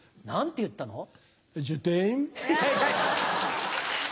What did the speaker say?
何て言ったの？